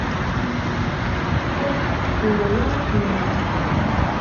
Ur d-sseknayeɣ acemma.